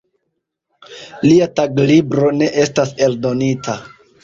Lia taglibro ne estas eldonita.